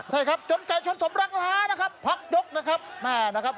ใช่ครับจนไก่ชนสมรักล้านะครับพักยกนะครับแม่นะครับ